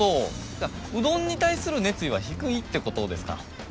じゃあうどんに対する熱意は低いってことですか。